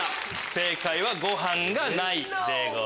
正解はご飯がない。